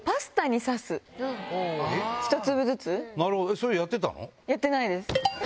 それやってたの？